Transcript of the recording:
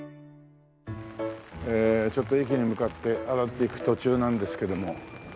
ええちょっと駅に向かって上がっていく途中なんですけども。